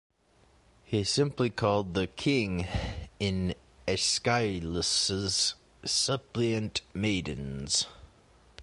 He is simply called the "King" in Aeschylus's "Suppliant Maidens".